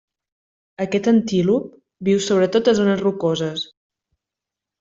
Aquest antílop viu sobretot a zones rocoses.